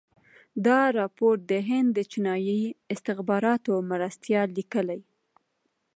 دا رپوټ د هند د جنايي استخباراتو مرستیال لیکلی.